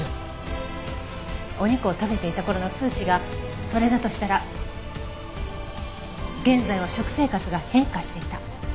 お肉を食べていた頃の数値がそれだとしたら現在は食生活が変化していた。